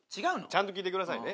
ちゃんと聞いてくださいね。